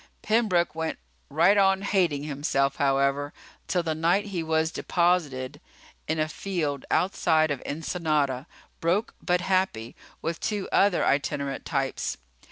Pembroke went right on hating himself, however, till the night he was deposited in a field outside of Ensenada, broke but happy, with two other itinerant types.